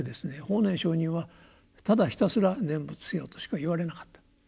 法然上人は「ただひたすら念仏せよ」としか言われなかった。